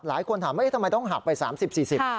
หลายคนถามว่าทำไมต้องหักไป๓๐๔๐บาท